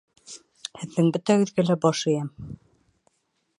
Һеҙҙең бөтәгеҙгә лә баш эйәм